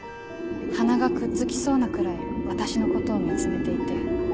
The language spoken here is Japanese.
鼻がくっつきそうなくらい私のことを見つめていて。